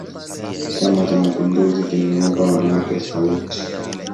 chama cha mapinduzi kimewapa wanawake sauti